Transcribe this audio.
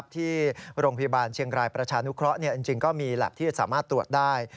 ที่โรงพยาบาลเชียงรายประชานุเคราะห์จริงก็มีแล็บที่จะสามารถตรวจได้